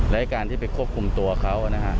และการที่ไปควบคุมตัวเขานะฮะ